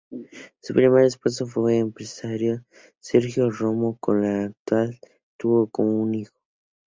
Su primer esposo fue el empresario Sergio Romo, con el cual tuvo un hijo.